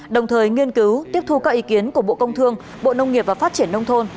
đồng thời nghiên cứu tiếp thu các ý kiến của bộ công thương bộ nông nghiệp và phát triển nông thôn